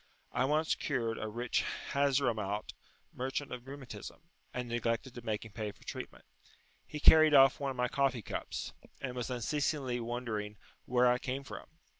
I once cured a rich Hazramaut merchant of rheumatism, and neglected to make him pay for treatment; he carried off one of my coffee cups, and was unceasingly wondering where I came from.